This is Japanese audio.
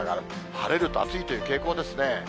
晴れると暑いという傾向ですね。